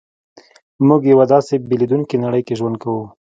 موږ په یوه داسې بدلېدونکې نړۍ کې ژوند کوو